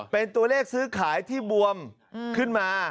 เป็นตัวเลขซื้อขายที่บวมขึ้นมา